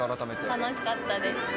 楽しかったです。